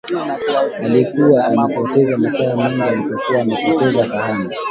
Alikuwa amepoteza masaa meengi alipokuwa amepoteza fahamu